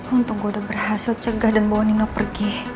untung gue udah berhasil cegah dan bawa nino pergi